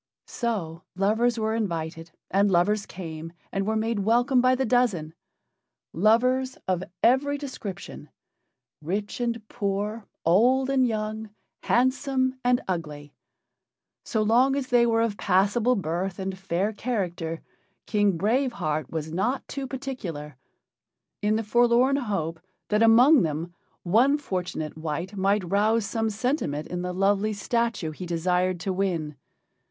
So lovers were invited, and lovers came and were made welcome by the dozen. Lovers of every description rich and poor, old and young, handsome and ugly so long as they were of passable birth and fair character, King Brave Heart was not too particular in the forlorn hope that among them one fortunate wight might rouse some sentiment in the lovely statue he desired to win.